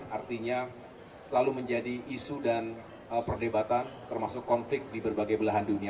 artinya selalu menjadi isu dan perdebatan termasuk konflik di berbagai belahan dunia